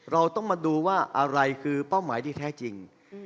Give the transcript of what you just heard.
เราต้องมาดูว่าอะไรคือเป้าหมายที่แท้จริง